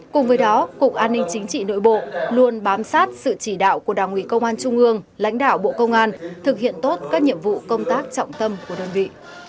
cùng với đó cục an ninh chính trị nội bộ luôn bám sát sự chỉ đạo của đảng ủy công an trung ương lãnh đạo bộ công an thực hiện tốt các nhiệm vụ công tác trọng tâm của đơn vị